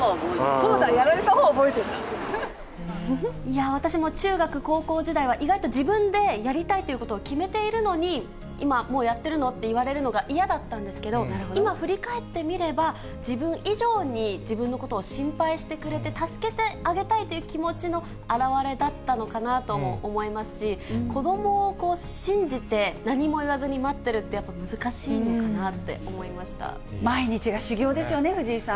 そうだ、やられたほうは覚えいやー、私も中学、高校時代は、意外と自分でやりたいっていうことを決めているのに、今もうやってるの？って言われるのが嫌だったんですけど、今振り返ってみれば、自分以上に自分のことを心配してくれて、助けてあげたいという気持ちの表れだったのかなとも思いますし、子どもを信じて、何も言わずに待ってるって、やっぱり難しいのか毎日が修業ですよね、藤井さん。